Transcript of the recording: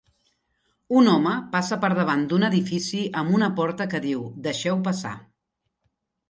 Un home passa per davant d'un edifici amb una porta que diu Deixeu passar